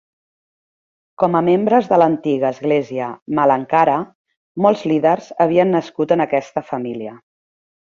Com a membres de l"antiga església Malankara, molts líders havien nascut en aquesta família.